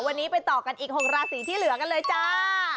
วันนี้ไปต่อกันอีก๖ราศีที่เหลือกันเลยจ้า